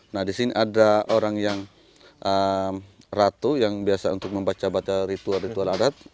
nah di sini ada orang yang ratu yang biasa untuk membaca baca ritual ritual adat